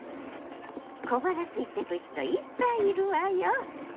小腹すいてる人いっぱいいるわよ。